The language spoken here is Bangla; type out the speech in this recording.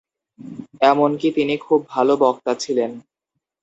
এমনকি তিনি খুব ভাল বক্তা ছিলেন।